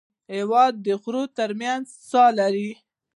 هېواد د غرو تر منځ ساه لري.